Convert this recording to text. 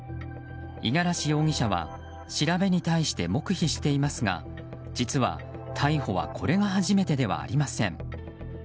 五十嵐容疑者は調べに対して黙秘していますが実は、逮捕はこれが初めてではありません。